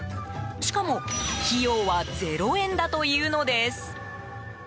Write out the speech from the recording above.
しかも、費用は０円だというのです。